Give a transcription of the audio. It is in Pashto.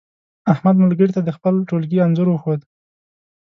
احمد ملګري ته د خپل ټولگي انځور وښود.